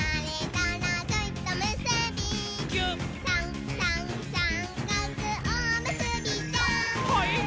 「さんさんさんかくおむすびちゃん」はいっ！